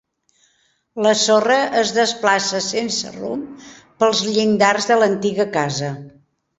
La sorra es desplaça sense rumb pels llindars de l'antiga casa.